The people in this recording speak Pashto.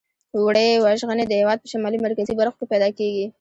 وړۍ وژغنې د هېواد په شمالي مرکزي برخو کې پیداکیږي.